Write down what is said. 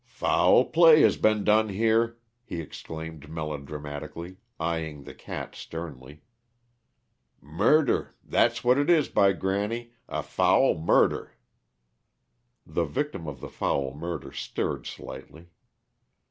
"Foul play has been done here!" he exclaimed melodramatically, eying the cat sternly. "Murder that's what it is, by granny a foul murder!" The victim of the foul murder stirred slightly.